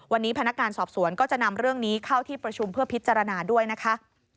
วันนี้พนักงานสอบสวนก็จะนำเรื่องนี้เข้าที่ประชุมเพื่อพิจารณาด้วยนะคะ